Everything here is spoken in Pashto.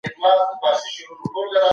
بشریت د پانګه وال نظام له شره تښتي.